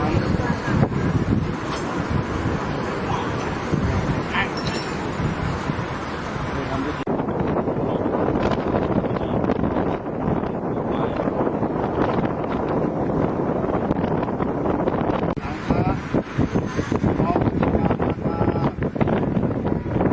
ยอดจ้นไม้ดรมจุภาพที่รัฐปราณียนต์